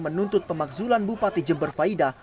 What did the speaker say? menuntut pemakzulan bupati jember faida